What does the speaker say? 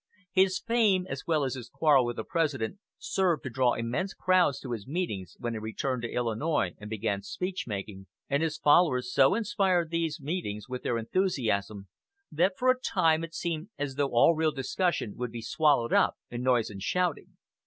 His fame as well as his quarrel with the President served to draw immense crowds to his meetings when he returned to Illinois and began speech making, and his followers so inspired these meetings with their enthusiasm that for a time it seemed as though all real discussion would be swallowed up in noise and shouting.